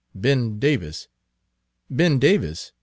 "Ben Davis Ben Davis?